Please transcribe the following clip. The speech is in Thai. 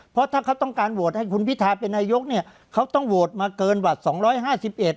เพราะถ้าเขาต้องการโหวตให้คุณพิทาเป็นนายกเนี่ยเขาต้องโหวตมาเกินหวัดสองร้อยห้าสิบเอ็ด